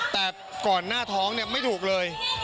แต่ก่อนหน้าท้องไม่ถูกเลย